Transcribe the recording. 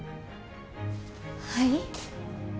はい？